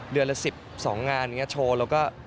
เดือนละ๑๐๑๒งานโชว์แล้วก็